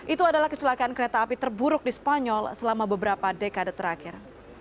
itu adalah kecelakaan kereta api terburuk di spanyol selama beberapa dekade terakhir